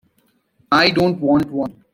I don't want one.